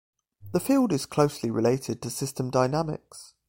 The field is closely related to system dynamics.